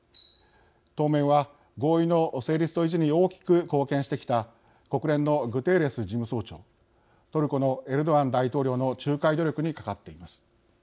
当面は、合意の成立と維持に大きく貢献してきた国連のグテーレス事務総長トルコのエルドアン大統領の仲介努力にかかっています。